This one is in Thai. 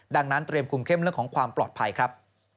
ดังนั้นเตรียมคุมเข้มเรื่องของความปลอดภัยครับ